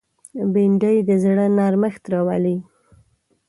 بېنډۍ د زړه نرمښت راولي